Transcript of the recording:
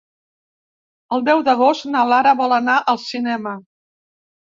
El deu d'agost na Lara vol anar al cinema.